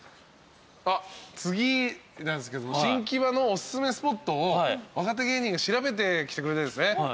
あっ次なんですけど新木場のおすすめスポットを若手芸人が調べてきてくれてるんですね。